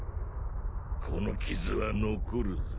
この傷は残るぜ。